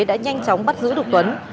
đã nhanh chóng bắt giữ được tuấn